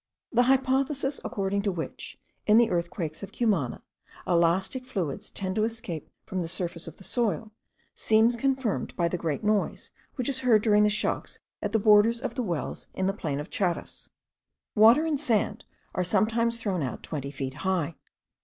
The hypothesis according to which, in the earthquakes of Cumana, elastic fluids tend to escape from the surface of the soil, seems confirmed by the great noise which is heard during the shocks at the borders of the wells in the plain of Charas. Water and sand are sometimes thrown out twenty feet high.